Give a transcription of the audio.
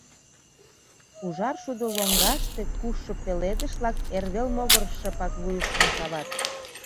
Ужар шудо лоҥгаште кушшо пеледыш-влак эрвел могырыш шыпак вуйыштым сават.